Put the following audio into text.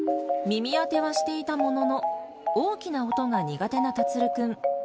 耳あてはしていたものの、大きな音が苦手な樹君。